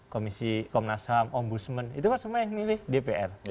komisi komnas ham ombudsman itu kan semua yang milih dpr